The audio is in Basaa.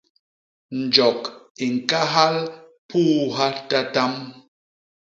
Njok i ñkahal puuha tatam.